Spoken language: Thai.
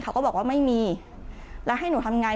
เขาก็บอกว่าไม่มีแล้วให้หนูทำไง